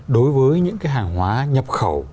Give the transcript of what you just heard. đối với những hàng hóa nhập khẩu